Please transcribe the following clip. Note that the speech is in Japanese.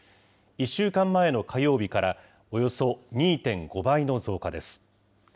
１週間前の火曜日からおよそ２．５倍の増加です。